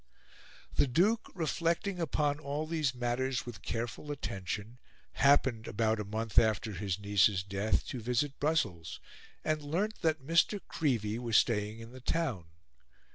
The Duke, reflecting upon all these matters with careful attention, happened, about a month after his niece's death, to visit Brussels, and learnt that Mr. Creevey was staying in the town.